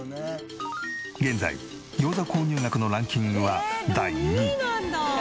現在餃子購入額のランキングは第２位。